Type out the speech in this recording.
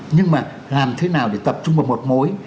nhưng mà làm thế nào để tập trung vào một mối